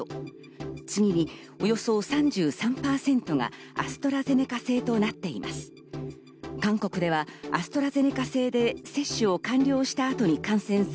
次におよそ３３％がアストラゼネカ製となっています。